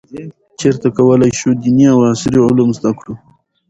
چیرته کولای شو دیني او عصري علوم زده کړو؟